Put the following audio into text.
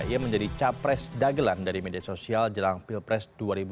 ia menjadi capres dagelan dari media sosial jelang pilpres dua ribu sembilan belas